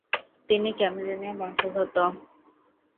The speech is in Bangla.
তিনি ক্যামেরুনীয় বংশোদ্ভূত।